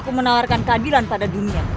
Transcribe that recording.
aku menawarkan keadilan pada dunia